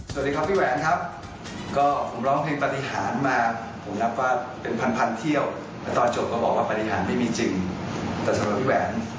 สวัสดีครับพี่แหวนครับก็ผมร้องเพลงปฏิหารมาผมนับว่าเป็นพันพันเที่ยวแล้วตอนจบก็บอกว่าปฏิหารไม่มีจริงแต่สำหรับพี่แหวน